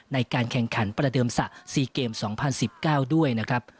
ในการแข่งขันประเดิมศะ๔เกม๒๐๑๙ด้วยนะครับ